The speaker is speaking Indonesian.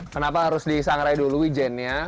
kenapa harus disangrai dulu wijennya